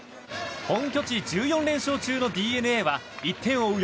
本拠地１４連勝中のＤｅＮＡは１点を追う